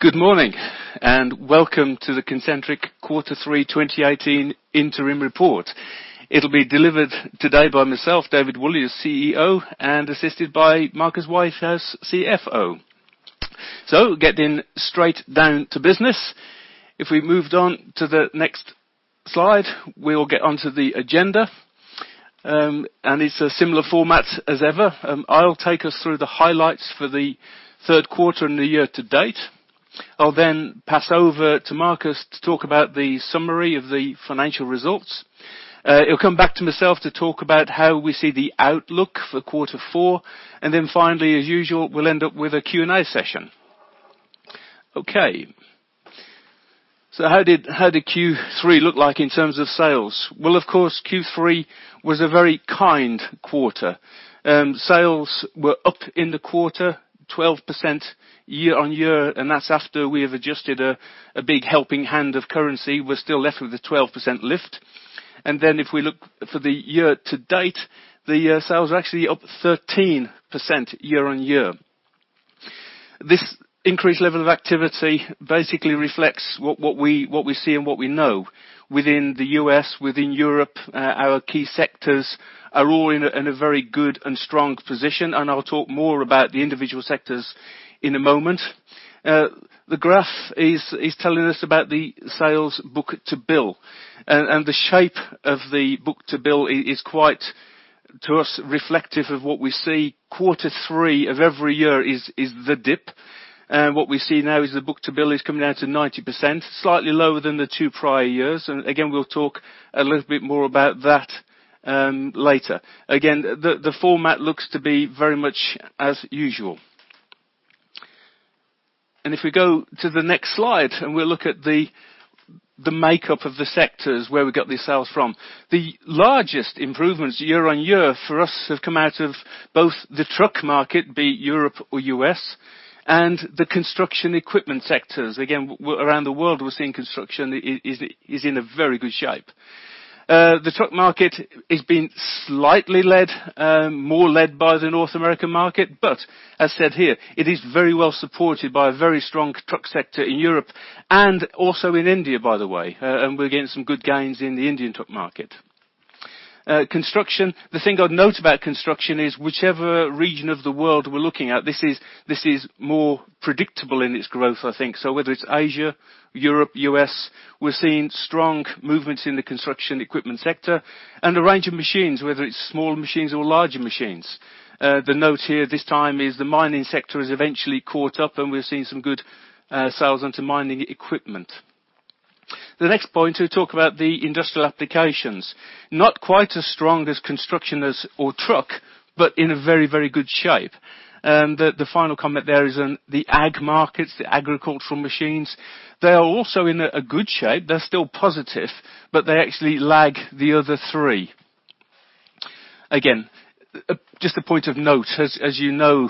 Good morning, welcome to the Concentric Quarter 3 2018 interim report. It will be delivered today by myself, David Woolley, as CEO, and assisted by Marcus Whitehouse as CFO. Getting straight down to business. If we moved on to the next slide, we will get onto the agenda. It is a similar format as ever. I will take us through the highlights for the third quarter and the year to date. I will pass over to Marcus to talk about the summary of the financial results. It will come back to myself to talk about how we see the outlook for quarter 4. Finally, as usual, we will end up with a Q&A session. How did Q3 look like in terms of sales? Of course, Q3 was a very kind quarter. Sales were up in the quarter 12% year-on-year, that is after we have adjusted a big helping hand of currency. We are still left with the 12% lift. If we look for the year to date, the sales are actually up 13% year-on-year. This increased level of activity basically reflects what we see and what we know within the U.S., within Europe. Our key sectors are all in a very good and strong position, I will talk more about the individual sectors in a moment. The graph is telling us about the sales book-to-bill. The shape of the book-to-bill is quite, to us, reflective of what we see. Quarter 3 of every year is the dip. What we see now is the book-to-bill is coming down to 90%, slightly lower than the 2 prior years. We will talk a little bit more about that later. Again, the format looks to be very much as usual. If we go to the next slide and we look at the makeup of the sectors where we got these sales from. The largest improvements year-on-year for us have come out of both the truck market, be it Europe or U.S., the construction equipment sectors. Again, around the world, we are seeing construction is in a very good shape. The truck market is being slightly led, more led by the North American market, as said here, it is very well supported by a very strong truck sector in Europe and also in India, by the way, we are getting some good gains in the Indian truck market. Construction, the thing I would note about construction is whichever region of the world we are looking at, this is more predictable in its growth, I think. Whether it is Asia, Europe, U.S., we are seeing strong movements in the construction equipment sector and a range of machines, whether it is smaller machines or larger machines. The note here this time is the mining sector has eventually caught up, we are seeing some good sales onto mining equipment. The next point, we talk about the industrial applications. Not quite as strong as construction or truck, in a very good shape. The final comment there is in the ag markets, the agricultural machines, they are also in a good shape. They are still positive, they actually lag the other 3. Just a point of note, as you know,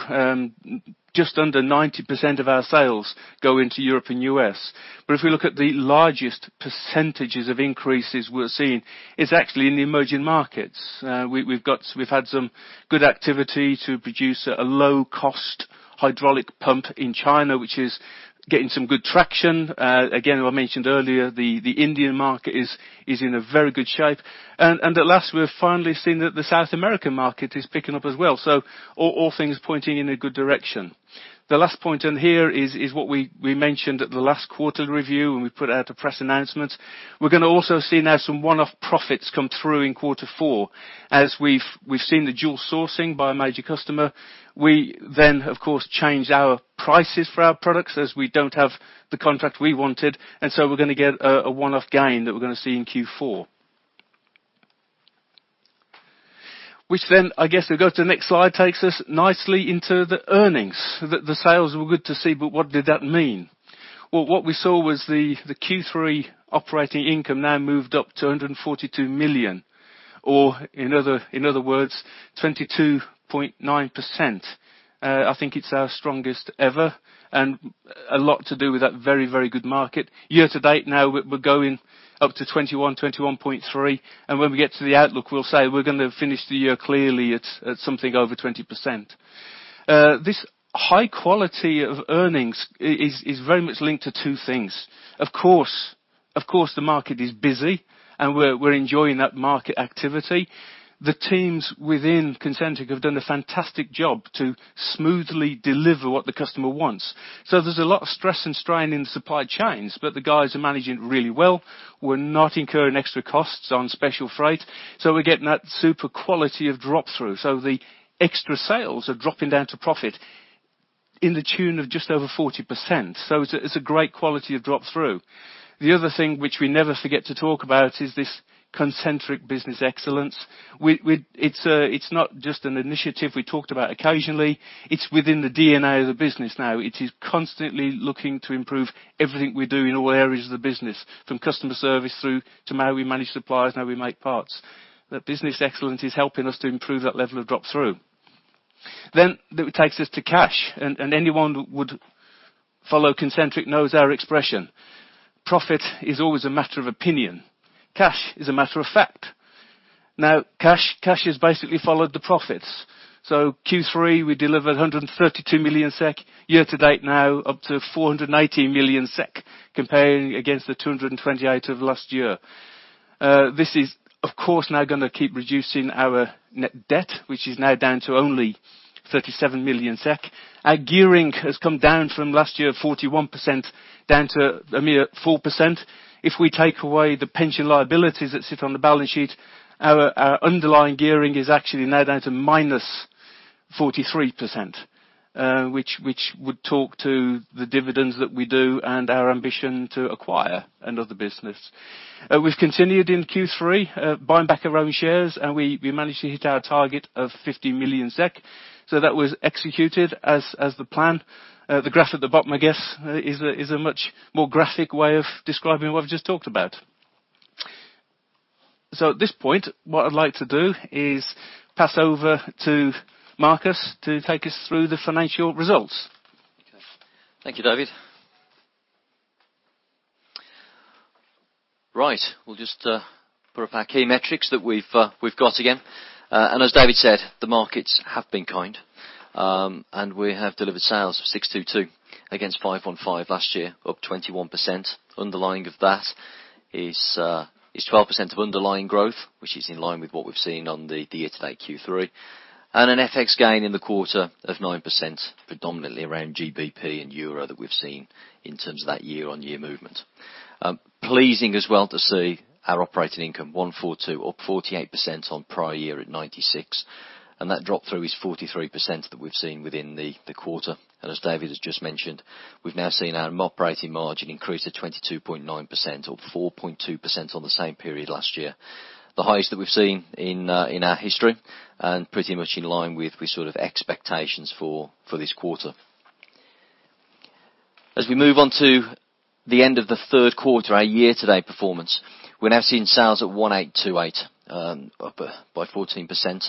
just under 90% of our sales go into Europe and U.S., but if we look at the largest percentages of increases we're seeing, it's actually in the emerging markets. We've had some good activity to produce a low-cost hydraulic pump in China, which is getting some good traction. What I mentioned earlier, the Indian market is in a very good shape. At last, we're finally seeing that the South American market is picking up as well. All things pointing in a good direction. The last point on here is what we mentioned at the last quarter review, and we put out a press announcement. We're going to also see now some one-off profits come through in quarter four, as we've seen the dual sourcing by a major customer. We, of course, changed our prices for our products as we don't have the contract we wanted, we're going to get a one-off gain that we're going to see in Q4. I guess, if we go to the next slide, takes us nicely into the earnings. The sales were good to see, what did that mean? Well, what we saw was the Q3 operating income now moved up to 142 million, or in other words, 22.9%. I think it's our strongest ever and a lot to do with that very good market. Year to date now, we're going up to 21.3%, and when we get to the outlook, we'll say we're going to finish the year clearly at something over 20%. This high quality of earnings is very much linked to two things. Of course, the market is busy, and we're enjoying that market activity. The teams within Concentric have done a fantastic job to smoothly deliver what the customer wants. There's a lot of stress and strain in supply chains, the guys are managing it really well. We're not incurring extra costs on special freight. We're getting that super quality of drop-through. The extra sales are dropping down to profit in the tune of just over 40%. It's a great quality of drop-through. The other thing which we never forget to talk about is this Concentric Business Excellence. It's not just an initiative we talked about occasionally. It's within the DNA of the business now. It is constantly looking to improve everything we do in all areas of the business, from customer service through to how we manage suppliers and how we make parts. That Business Excellence is helping us to improve that level of drop-through. That takes us to cash, and anyone who follows Concentric knows our expression. Profit is always a matter of opinion. Cash is a matter of fact. Now, cash has basically followed the profits. Q3, we delivered 132 million SEK, year to date now up to 418 million SEK, comparing against the 228 million of last year. This is, of course, now going to keep reducing our net debt, which is now down to only 37 million SEK. Our gearing has come down from last year, 41% down to a mere 4%. If we take away the pension liabilities that sit on the balance sheet, our underlying gearing is actually now down to minus 43%, which would talk to the dividends that we do and our ambition to acquire another business. We've continued in Q3, buying back our own shares, and we managed to hit our target of 50 million SEK. That was executed as the plan. The graph at the bottom, I guess, is a much more graphic way of describing what I've just talked about. At this point, what I'd like to do is pass over to Marcus to take us through the financial results. Okay. Thank you, David. Right. We'll just put up our key metrics that we've got again. As David said, the markets have been kind, and we have delivered sales of 622 against 515 last year, up 21%. Underlying of that is 12% of underlying growth, which is in line with what we've seen on the year-to-date Q3, and an FX gain in the quarter of 9%, predominantly around GBP and EUR that we've seen in terms of that year-on-year movement. Pleasing as well to see our operating income, 142, up 48% on prior year at 96. That drop-through is 43% that we've seen within the quarter. As David has just mentioned, we've now seen our operating margin increase to 22.9% or 4.2% on the same period last year. The highest that we've seen in our history, and pretty much in line with sort of expectations for this quarter. As we move on to the end of the third quarter, our year-to-date performance, we're now seeing sales at 1,828, up by 14%. 13% of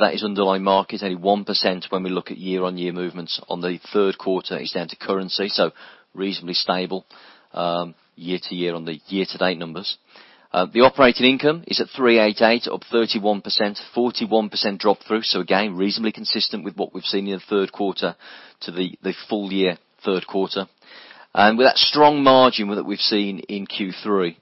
that is underlying markets. Only 1% when we look at year-on-year movements on the third quarter is down to currency, so reasonably stable year-to-year on the year-to-date numbers. The operating income is at 388, up 31%, 41% drop-through. Again, reasonably consistent with what we've seen in the third quarter to the full year third quarter. With that strong margin that we've seen in Q3,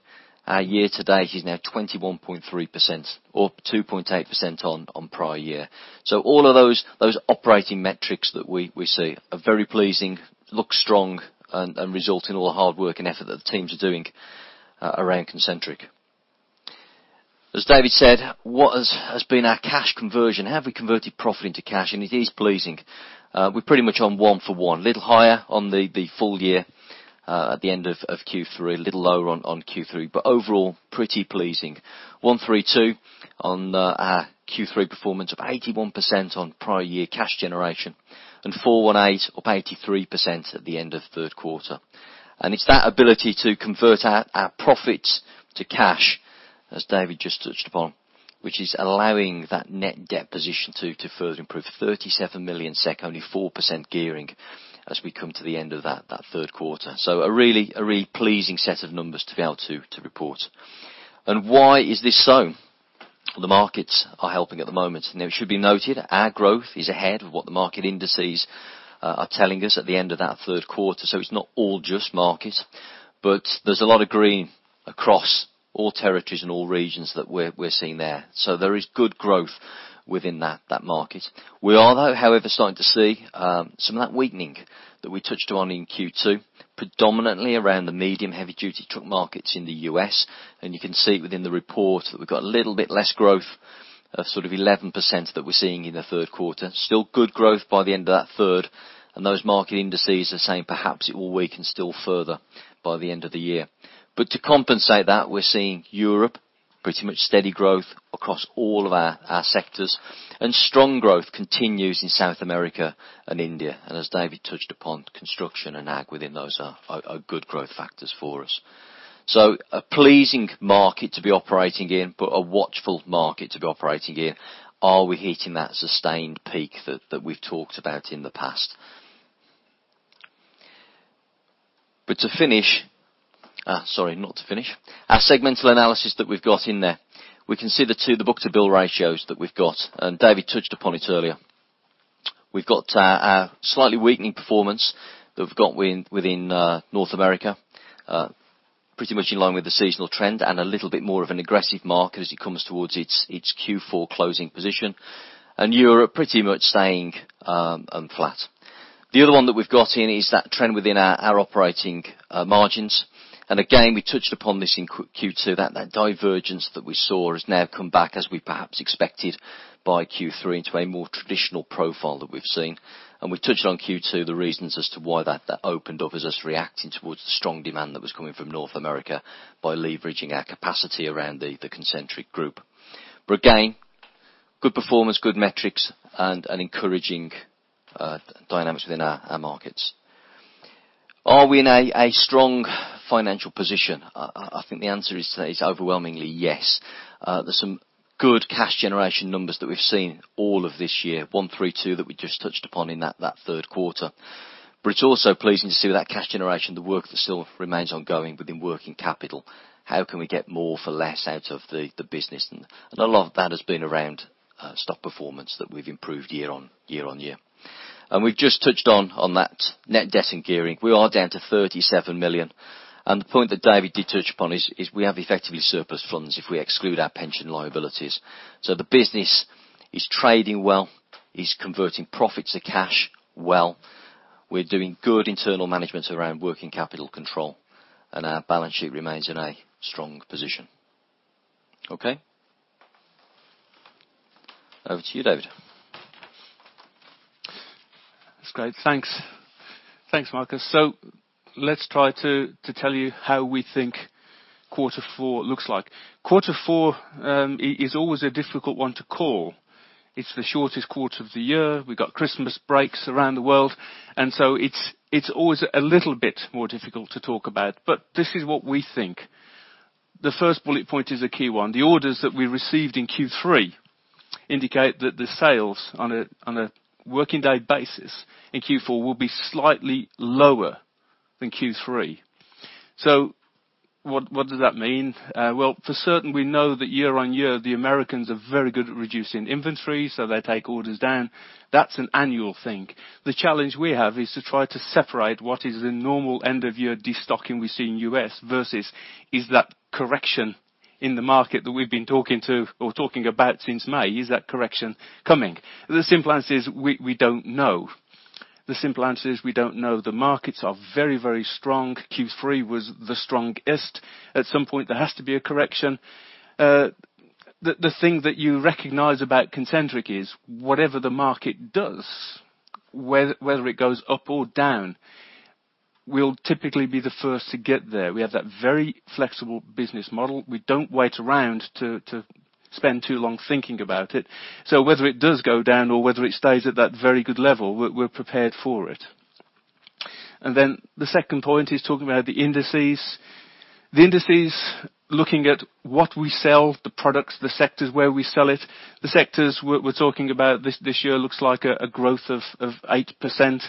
our year-to-date is now 21.3% or 2.8% on prior year. All of those operating metrics that we see are very pleasing, look strong, and result in all the hard work and effort that the teams are doing around Concentric. As David said, what has been our cash conversion? How have we converted profit into cash? It is pleasing. We're pretty much on one for one. Little higher on the full year, at the end of Q3, a little lower on Q3. Overall, pretty pleasing. 132 on our Q3 performance of 81% on prior year cash generation, and 418 up 83% at the end of third quarter. It's that ability to convert our profits to cash, as David just touched upon, which is allowing that net debt position to further improve. 37 million SEK, only 4% gearing as we come to the end of that third quarter. A really pleasing set of numbers to be able to report. Why is this so? The markets are helping at the moment. It should be noted, our growth is ahead of what the market indices are telling us at the end of that third quarter, so it's not all just market. There's a lot of green across all territories and all regions that we're seeing there. There is good growth within that market. We are, however, starting to see some of that weakening that we touched on in Q2, predominantly around the medium-heavy-duty truck markets in the U.S. You can see within the report that we've got a little bit less growth of sort of 11% that we're seeing in the third quarter. Still good growth by the end of that third. Those market indices are saying perhaps it will weaken still further by the end of the year. To compensate that, we're seeing Europe pretty much steady growth across all of our sectors, and strong growth continues in South America and India. As David touched upon, construction and ag within those are good growth factors for us. A pleasing market to be operating in, but a watchful market to be operating in. Are we hitting that sustained peak that we've talked about in the past? Our segmental analysis that we've got in there, we can see the book-to-bill ratios that we've got. David touched upon it earlier. We've got our slightly weakening performance that we've got within North America, pretty much in line with the seasonal trend and a little bit more of an aggressive market as it comes towards its Q4 closing position. Europe pretty much staying flat. The other one that we've got in is that trend within our operating margins. Again, we touched upon this in Q2, that divergence that we saw has now come back as we perhaps expected by Q3 into a more traditional profile that we've seen. We touched on Q2 the reasons as to why that opened up as us reacting towards the strong demand that was coming from North America by leveraging our capacity around the Concentric group. Again, good performance, good metrics, and encouraging dynamics within our markets. Are we in a strong financial position? I think the answer is overwhelmingly yes. There's some good cash generation numbers that we've seen all of this year, 132 that we just touched upon in that third quarter. It's also pleasing to see that cash generation, the work still remains ongoing within working capital. How can we get more for less out of the business? A lot of that has been around stock performance that we've improved year-on-year. We've just touched on that net debt and gearing. We are down to 37 million, and the point that David did touch upon is we have effectively surplus funds if we exclude our pension liabilities. The business is trading well, is converting profits to cash well. We're doing good internal management around working capital control, and our balance sheet remains in a strong position. Okay. Over to you, David. That's great. Thanks, Marcus. Let's try to tell you how we think quarter four looks like. Quarter four is always a difficult one to call. It's the shortest quarter of the year. We've got Christmas breaks around the world, it's always a little bit more difficult to talk about, but this is what we think. The first bullet point is a key one. The orders that we received in Q3 indicate that the sales on a working day basis in Q4 will be slightly lower than Q3. What does that mean? Well, for certain, we know that year-over-year, the Americans are very good at reducing inventory, so they take orders down. That's an annual thing. The challenge we have is to try to separate what is the normal end-of-year destocking we see in U.S. versus is that correction in the market that we've been talking about since May, is that correction coming? The simple answer is we don't know. The simple answer is we don't know. The markets are very strong. Q3 was the strongest. At some point, there has to be a correction. The thing that you recognize about Concentric is whatever the market does, whether it goes up or down, we'll typically be the first to get there. We have that very flexible business model. We don't wait around to spend too long thinking about it. Whether it does go down or whether it stays at that very good level, we're prepared for it. The second point is talking about the indices. The indices, looking at what we sell, the products, the sectors where we sell it, the sectors we're talking about this year looks like a growth of 8%.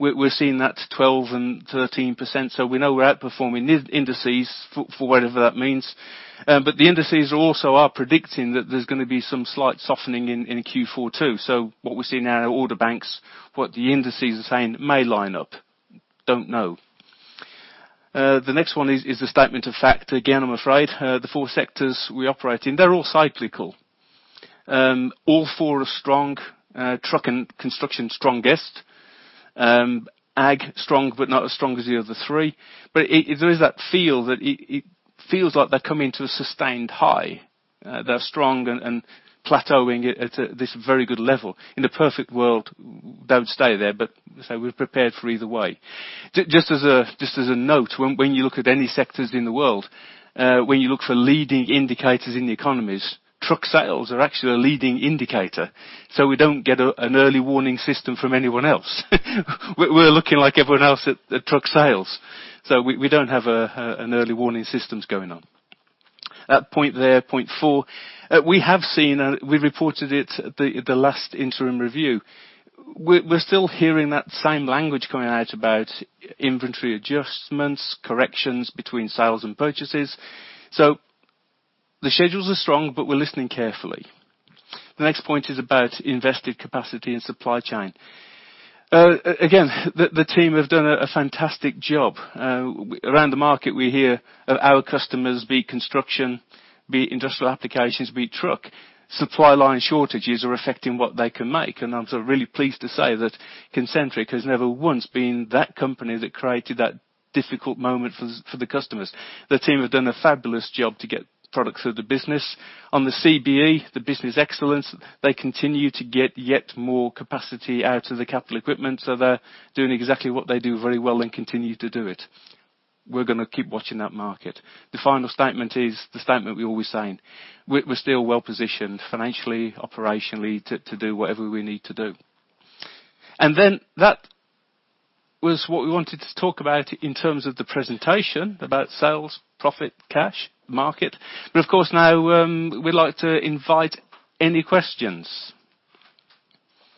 We're seeing that 12% and 13%, we know we're outperforming indices for whatever that means. The indices also are predicting that there's going to be some slight softening in Q4 too. What we see now in order banks, what the indices are saying may line up. Don't know. The next one is a statement of fact, again, I'm afraid. The four sectors we operate in, they're all cyclical. All four are strong. Truck and construction, strongest. Ag, strong, but not as strong as the other three. There is that feel that it feels like they're coming to a sustained high. They're strong and plateauing at this very good level. In a perfect world, they would stay there, we're prepared for either way. Just as a note, when you look at any sectors in the world, when you look for leading indicators in the economies, truck sales are actually a leading indicator. We don't get an early warning system from anyone else. We're looking like everyone else at truck sales. We don't have an early warning systems going on. That point there, point four, we have seen, and we reported it at the last interim review. We're still hearing that same language coming out about inventory adjustments, corrections between sales and purchases. The schedules are strong, but we're listening carefully. The next point is about invested capacity and supply chain. Again, the team have done a fantastic job. Around the market, we hear of our customers, be it construction, be it industrial applications, be it truck, supply line shortages are affecting what they can make. I'm so really pleased to say that Concentric has never once been that company that created that difficult moment for the customers. The team have done a fabulous job to get products through the business. On the CBE, the business excellence, they continue to get yet more capacity out of the capital equipment, so they're doing exactly what they do very well and continue to do it. We're going to keep watching that market. The final statement is the statement we're always saying. We're still well positioned financially, operationally to do whatever we need to do. That was what we wanted to talk about in terms of the presentation, about sales, profit, cash, market. Of course, now, we'd like to invite any questions.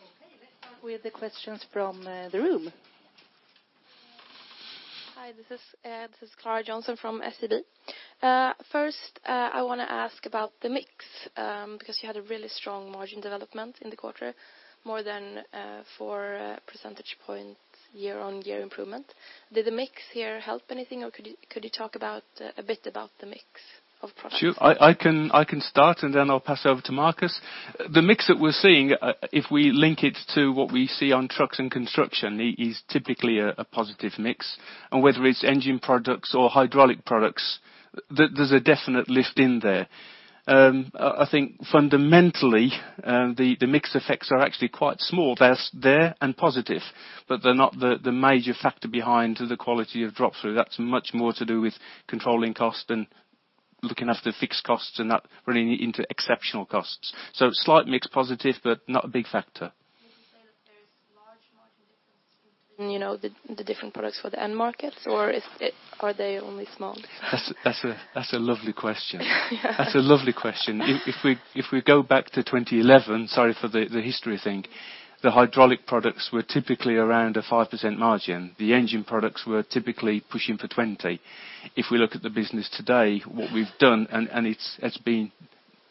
Okay. Let's start with the questions from the room. Hi. This is Klara Jonsson from SEB. First, I want to ask about the mix, because you had a really strong margin development in the quarter, more than four percentage points year-on-year improvement. Did the mix here help anything, or could you talk a bit about the mix of products? Sure. I can start, and then I'll pass over to Marcus. The mix that we're seeing, if we link it to what we see on trucks and construction, is typically a positive mix, and whether it's engine products or hydraulic products, there's a definite lift in there. I think fundamentally, the mix effects are actually quite small. They're there and positive, but they're not the major factor behind the quality of drop-through. That's much more to do with controlling cost and looking after fixed costs and not running into exceptional costs. Slight mix positive, but not a big factor. Did you say that there's large margin differences between the different products for the end markets, or are they only small? That's a lovely question. Yeah. That's a lovely question. If we go back to 2011, sorry for the history thing, the hydraulic products were typically around a 5% margin. The engine products were typically pushing for 20%. It's been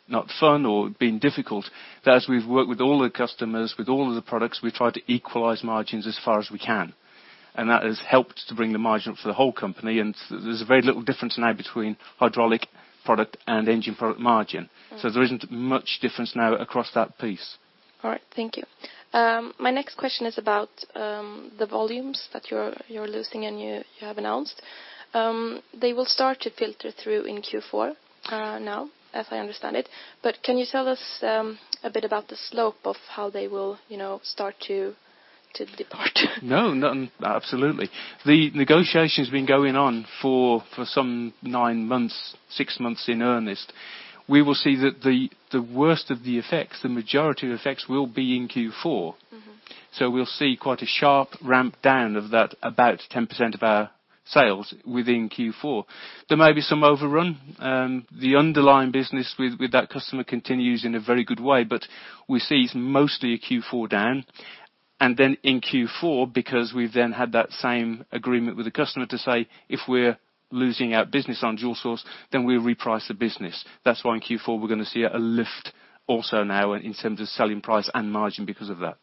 not fun or been difficult, but as we've worked with all the customers, with all of the products, we've tried to equalize margins as far as we can. That has helped to bring the margin up for the whole company, and there's very little difference now between hydraulic product and engine product margin. There isn't much difference now across that piece. All right. Thank you. My next question is about the volumes that you're losing, and you have announced. They will start to filter through in Q4 now, as I understand it. Can you tell us a bit about the slope of how they will start to depart? No, absolutely. The negotiation's been going on for some nine months, six months in earnest. We will see that the worst of the effects, the majority of the effects will be in Q4. We'll see quite a sharp ramp down of that about 10% of our sales within Q4. There may be some overrun. The underlying business with that customer continues in a very good way, but we see it's mostly a Q4 down. In Q4, because we've then had that same agreement with the customer to say, "If we're losing out business on dual source, then we'll reprice the business." That's why in Q4, we're going to see a lift also now in terms of selling price and margin because of that.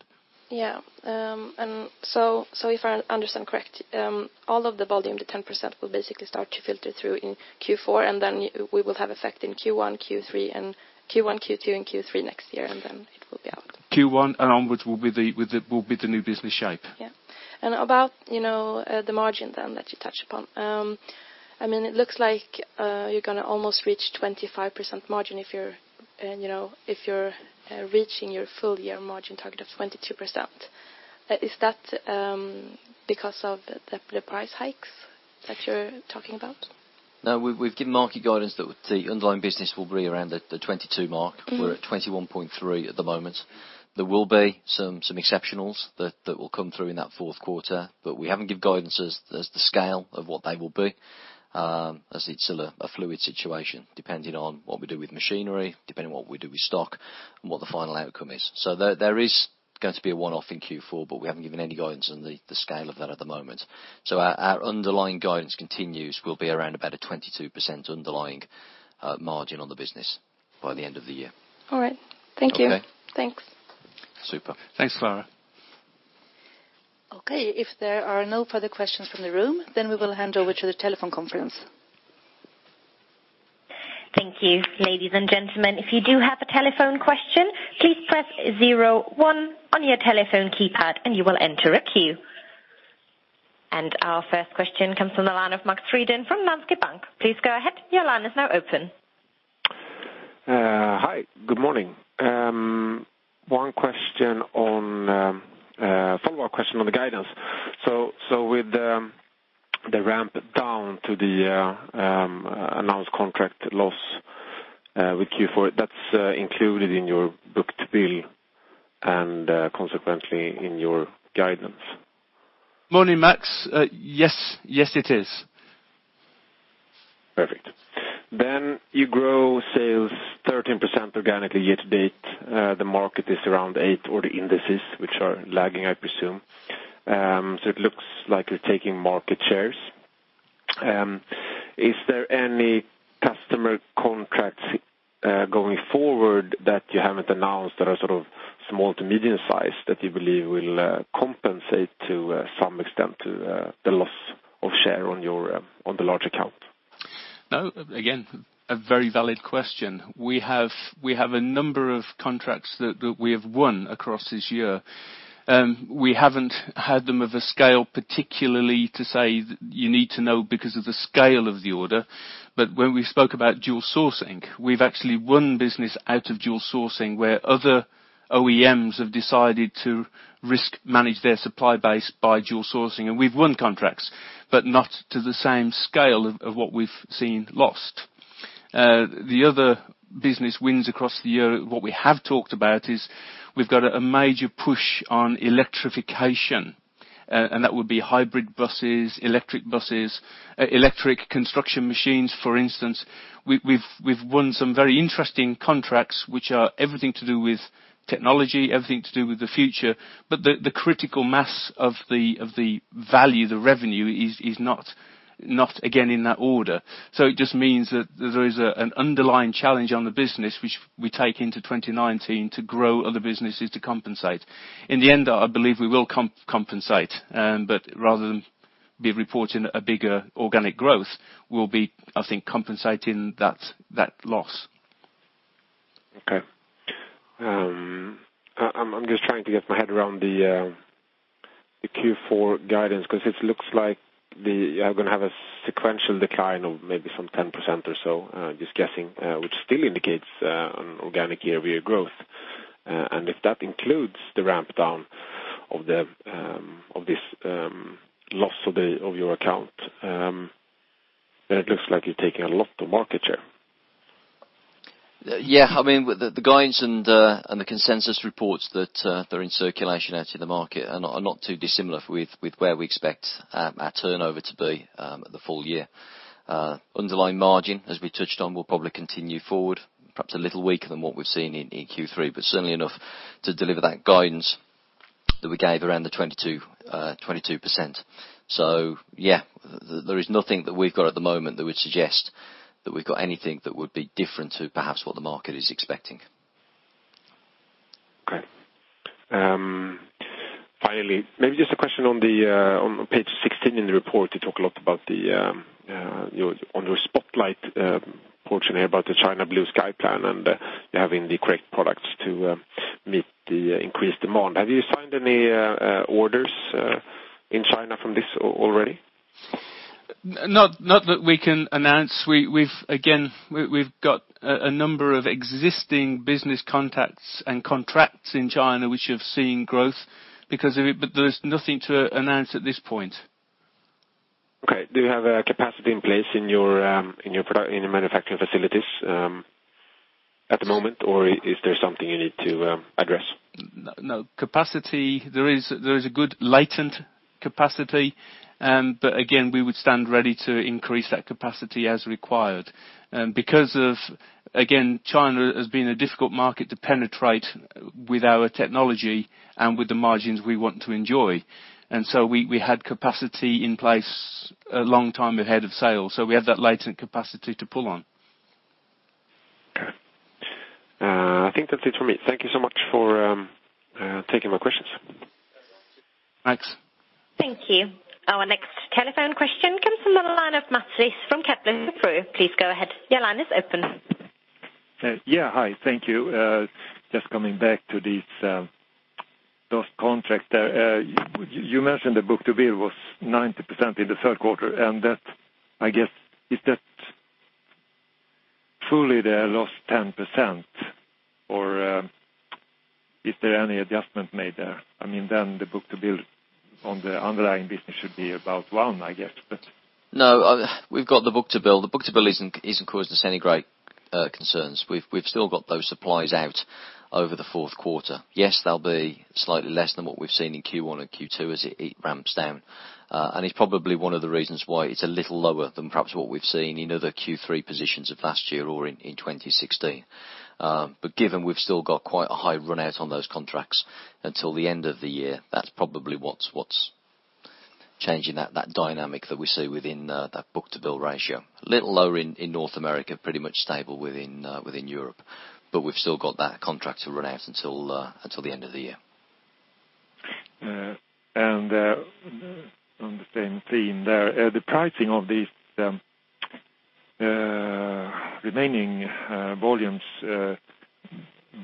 Yeah. If I understand correct, all of the volume, the 10%, will basically start to filter through in Q4, we will have effect in Q1, Q3, and Q1, Q2 and Q3 next year, and then it will be out. Q1 and onwards will be the new business shape. Yeah. About the margin then, that you touched upon. It looks like you're going to almost reach 25% margin if you're reaching your full year margin target of 22%. Is that because of the price hikes that you're talking about? No, we've given market guidance that the underlying business will be around the 22% mark. We're at 21.3% at the moment. There will be some exceptionals that will come through in that fourth quarter, but we haven't give guidance as the scale of what they will be, as it's still a fluid situation, depending on what we do with machinery, depending on what we do with stock, and what the final outcome is. There is going to be a one-off in Q4, but we haven't given any guidance on the scale of that at the moment. Our underlying guidance continues, will be around about a 22% underlying margin on the business by the end of the year. All right. Thank you. Okay. Thanks. Super. Thanks, Klara. Okay, if there are no further questions from the room, we will hand over to the telephone conference. Thank you. Ladies and gentlemen, if you do have a telephone question, please press 01 on your telephone keypad and you will enter a queue. Our first question comes from the line of Max Frydén from Danske Bank. Please go ahead. Your line is now open. Hi. Good morning. One follow-up question on the guidance. With the ramp down to the announced contract loss with Q4, that's included in your book-to-bill, and consequently in your guidance? Morning, Max. Yes, it is. Perfect. You grow sales 13% organically year to date. The market is around 8% odd indices, which are lagging, I presume. It looks like you're taking market shares. Is there any customer contracts going forward that you haven't announced that are small to medium size that you believe will compensate to some extent to the loss of share on the large account? No, again, a very valid question. We have a number of contracts that we have won across this year. We haven't had them of a scale particularly to say that you need to know because of the scale of the order. When we spoke about dual sourcing, we've actually won business out of dual sourcing where other OEMs have decided to risk manage their supply base by dual sourcing, and we've won contracts, but not to the same scale of what we've seen lost. The other business wins across the year, what we have talked about is we've got a major push on electrification, and that would be hybrid buses, electric buses, electric construction machines, for instance. We've won some very interesting contracts, which are everything to do with technology, everything to do with the future. The critical mass of the value, the revenue is not, again, in that order. It just means that there is an underlying challenge on the business, which we take into 2019 to grow other businesses to compensate. In the end, I believe we will compensate, but rather than be reporting a bigger organic growth, we'll be, I think, compensating that loss. Okay. I'm just trying to get my head around the Q4 guidance, because it looks like they are going to have a sequential decline of maybe some 10% or so, just guessing, which still indicates an organic year-over-year growth. If that includes the ramp down of this loss of your account, it looks like you're taking a lot of market share. Yeah. The guidance and the consensus reports that are in circulation out in the market are not too dissimilar with where we expect our turnover to be at the full year. Underlying margin, as we touched on, will probably continue forward, perhaps a little weaker than what we've seen in Q3, but certainly enough to deliver that guidance that we gave around the 22%. Yeah, there is nothing that we've got at the moment that would suggest that we've got anything that would be different to perhaps what the market is expecting. Okay. Finally, maybe just a question on page 16 in the report, you talk a lot about on your spotlight portion here about the China Blue Sky Plan, and you're having the correct products to meet the increased demand. Have you signed any orders in China from this already? Not that we can announce. We've got a number of existing business contacts and contracts in China, which have seen growth because of it. There is nothing to announce at this point. Okay. Do you have a capacity in place in your manufacturing facilities at the moment? Is there something you need to address? No. Capacity, there is a good latent capacity. Again, we would stand ready to increase that capacity as required. Because of, again, China has been a difficult market to penetrate with our technology and with the margins we want to enjoy. We had capacity in place a long time ahead of sale. We have that latent capacity to pull on. Okay. I think that's it for me. Thank you so much for taking my questions. Thanks. Thank you. Our next telephone question comes from the line of Mats Liss from Kepler Cheuvreux. Please go ahead. Your line is open. Yeah, hi. Thank you. Just coming back to those contracts there. You mentioned the book-to-bill was 90% in the third quarter, and that, I guess, is that truly the lost 10% or is there any adjustment made there? Then the book-to-bill on the underlying business should be about one, I guess. No, we've got the book-to-bill. The book-to-bill isn't causing us any great concerns. We've still got those supplies out over the fourth quarter. Yes, they'll be slightly less than what we've seen in Q1 and Q2 as it ramps down. It's probably one of the reasons why it's a little lower than perhaps what we've seen in other Q3 positions of last year or in 2016. Given we've still got quite a high run out on those contracts until the end of the year, that's probably what's changing that dynamic that we see within that book-to-bill ratio. A little lower in North America, pretty much stable within Europe. We've still got that contract to run out until the end of the year. On the same theme there, the pricing of these remaining volumes,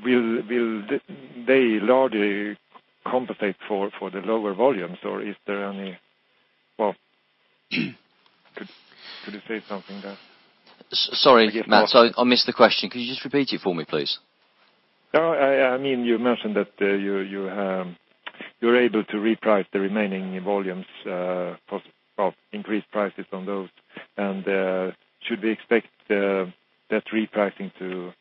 will they largely compensate for the lower volumes? Or is there any Well, could you say something there? Sorry, Mats, I missed the question. Could you just repeat it for me, please? You mentioned that you're able to reprice the remaining volumes, increase prices on those. Should we expect that repricing to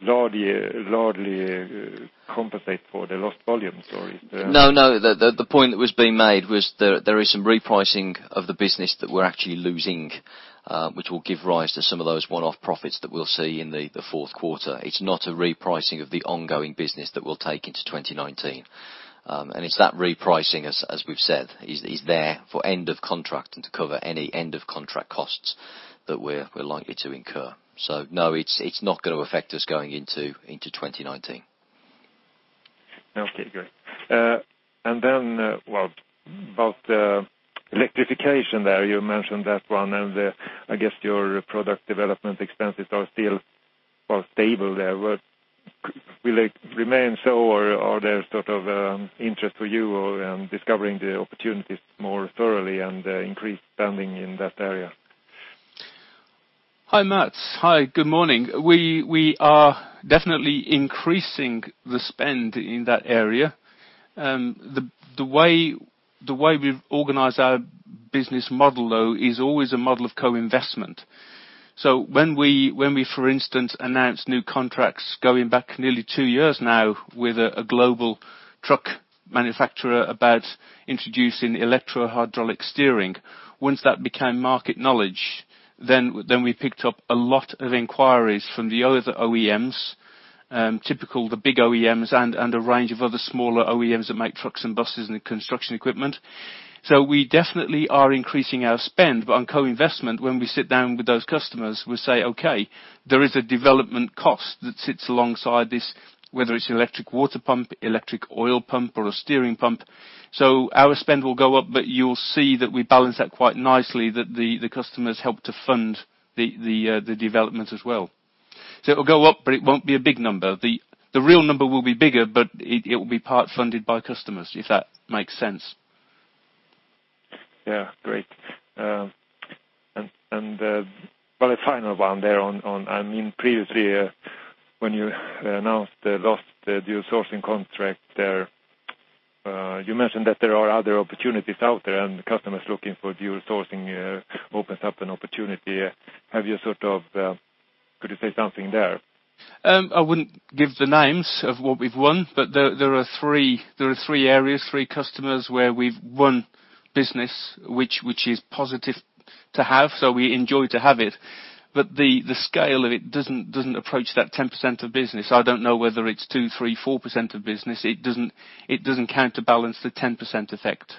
largely compensate for the lost volumes, or is there. The point that was being made was there is some repricing of the business that we're actually losing, which will give rise to some of those one-off profits that we'll see in the fourth quarter. It's not a repricing of the ongoing business that we'll take into 2019. It's that repricing, as we've said, is there for end of contract and to cover any end of contract costs that we're likely to incur. No, it's not going to affect us going into 2019. Okay, good. Well, about the electrification there, you mentioned that one and I guess your product development expenses are still stable there. Will it remain so, or are there sort of interest for you, or discovering the opportunities more thoroughly and increased spending in that area? Hi, Mats. Hi, good morning. We are definitely increasing the spend in that area. The way we've organized our business model, though, is always a model of co-investment. When we, for instance, announced new contracts going back nearly two years now with a global truck manufacturer about introducing electro-hydraulic steering. Once that became market knowledge, then we picked up a lot of inquiries from the other OEMs, typical the big OEMs and a range of other smaller OEMs that make trucks and buses and construction equipment. We definitely are increasing our spend, but on co-investment, when we sit down with those customers, we say, "Okay, there is a development cost that sits alongside this," whether it's electric water pump, electric oil pump, or a steering pump. Our spend will go up, but you'll see that we balance that quite nicely, that the customers help to fund the development as well. It will go up, but it won't be a big number. The real number will be bigger, but it will be part funded by customers, if that makes sense. Yeah, great. The final one there on, previously when you announced the lost dual sourcing contract there, you mentioned that there are other opportunities out there and customers looking for dual sourcing opens up an opportunity. Could you say something there? I wouldn't give the names of what we've won, but there are three areas, three customers where we've won business, which is positive to have, so we enjoy to have it. The scale of it doesn't approach that 10% of business. I don't know whether it's 2%, 3%, 4% of business. It doesn't counterbalance the 10% effect.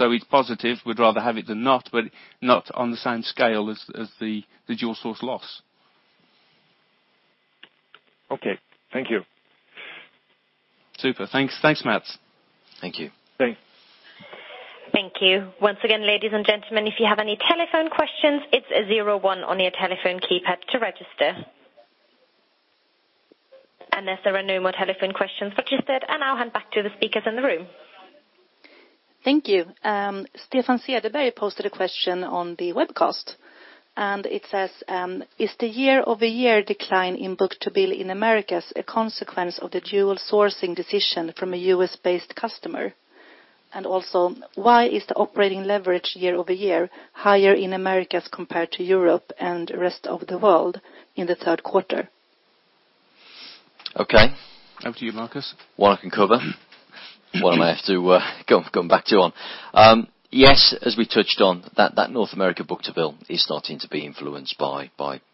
It's positive. We'd rather have it than not, but not on the same scale as the dual source loss. Okay. Thank you. Super. Thanks, Mats. Thank you. Thanks. Thank you. Once again, ladies and gentlemen, if you have any telephone questions, it's zero one on your telephone keypad to register. There are no more telephone questions registered, and I'll hand back to the speakers in the room. Thank you. Stefan Cederberg posted a question on the webcast. It says, "Is the year-over-year decline in book-to-bill in Americas a consequence of the dual sourcing decision from a U.S.-based customer? Why is the operating leverage year-over-year higher in Americas compared to Europe and rest of the world in the third quarter? Okay. Over to you, Marcus. One I can cover. One I have to come back to you on. Yes, as we touched on, that North America book-to-bill is starting to be influenced by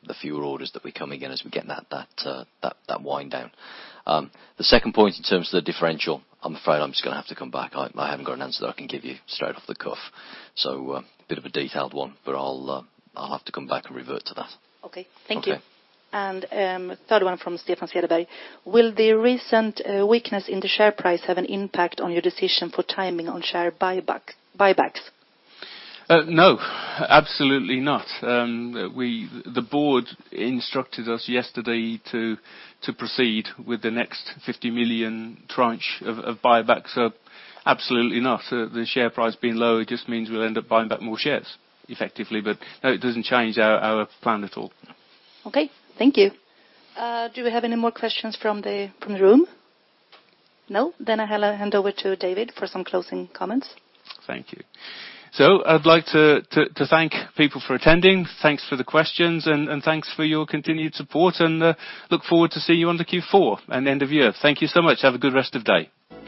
the fewer orders that were coming in as we get that wind down. The second point in terms of the differential, I'm afraid I'm just going to have to come back. I haven't got an answer that I can give you straight off the cuff. A bit of a detailed one, but I'll have to come back and revert to that. Okay. Thank you. Okay. Third one from Stefan Cederberg. Will the recent weakness in the share price have an impact on your decision for timing on share buybacks? No, absolutely not. The board instructed us yesterday to proceed with the next 50 million tranche of buyback. Absolutely not. The share price being low, it just means we'll end up buying back more shares effectively. No, it doesn't change our plan at all. Okay. Thank you. Do we have any more questions from the room? No? I'll hand over to David for some closing comments. Thank you. I'd like to thank people for attending. Thanks for the questions, and thanks for your continued support, and look forward to seeing you on the Q4 and end of year. Thank you so much. Have a good rest of day.